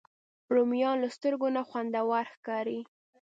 رومیان له سترګو نه خوندور ښکاري